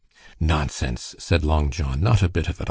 "Nonsense!" said Long John. "Not a bit of it!